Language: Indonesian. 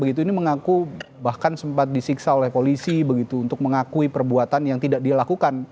ini mengaku bahkan sempat disiksa oleh polisi begitu untuk mengakui perbuatan yang tidak dia lakukan